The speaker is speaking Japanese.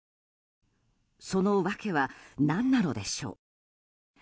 そのわけは何なのでしょう？